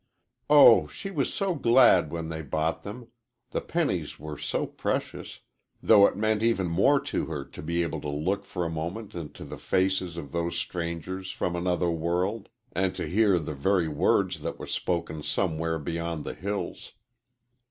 Oh, she was so glad when they bought them the pennies were so precious though it meant even more to her to be able to look for a moment into the faces of those strangers from another world, and to hear the very words that were spoken somewhere beyond the hills."